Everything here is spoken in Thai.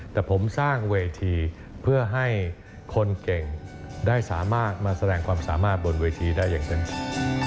แต่ผมสร้างเวทีเพื่อให้คนเก่งได้สามารถมาแสดงความสามารถบนเวทีได้อย่างเต็มที่